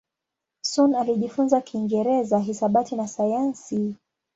Sun alijifunza Kiingereza, hisabati na sayansi.